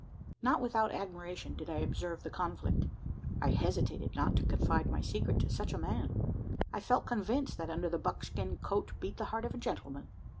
Not without admiration, did I observe the conflict. I hesitated not to confide my secret to such a man: I felt convinced that under the buckskin coat beat the heart of a gentleman.